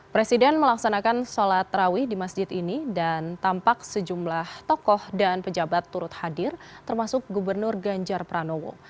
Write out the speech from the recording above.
presiden melaksanakan sholat terawih di masjid ini dan tampak sejumlah tokoh dan pejabat turut hadir termasuk gubernur ganjar pranowo